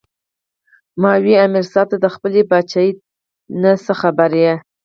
" ـ ما وې " امیر صېب تۀ د خپلې باچائۍ نه څۀ خبر ئې